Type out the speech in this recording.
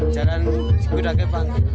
caran kuda kepang